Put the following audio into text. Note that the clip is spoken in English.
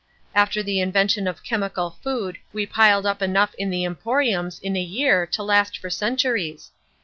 After the invention of Chemical Food we piled up enough in the emporiums in a year to last for centuries.